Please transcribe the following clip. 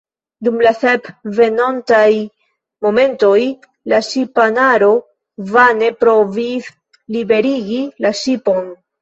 Dum la sep venontaj monatoj la ŝipanaro vane provis liberigi la ŝipon.